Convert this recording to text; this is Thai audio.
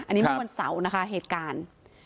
อันนี้เมื่อวันเสาร์นะคะเหตุการณ์